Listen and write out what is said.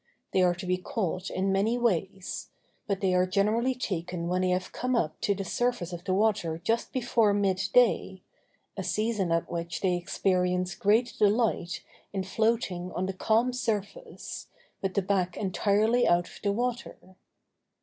They are to be caught in many ways; but they are generally taken when they have come up to the surface of the water just before midday, a season at which they experience great delight in floating on the calm surface, with the back entirely out of the water.